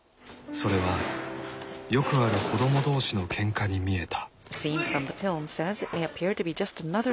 それはよくある子どもどうしのけんかに見えた。